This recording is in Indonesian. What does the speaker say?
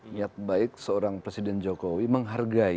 niat baik seorang presiden jokowi menghargai